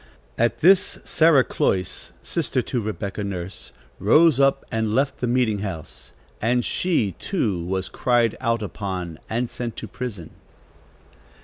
At this, Sarah Cloyce, sister to Rebecca Nurse, rose up and left the meeting house, and she, too, was cried out upon and sent to prison."